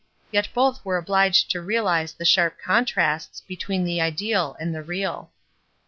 Yet both were obliged to realize the sharp contrasts between the ideal and the real.